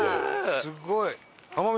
すごい！